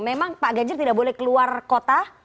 memang pak ganjar tidak boleh keluar kota